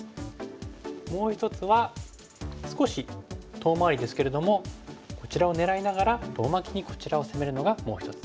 もう一つは少し遠回りですけれどもこちらを狙いながら遠巻きにこちらを攻めるのがもう一つ。